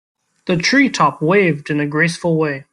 The tree top waved in a graceful way.